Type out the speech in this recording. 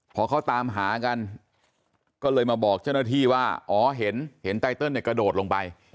พอเขาตามหากันก็เลยมาบอกเจ้าหน้าที่ว่าอ๋อเห็นไตเติลกระโดดลงไป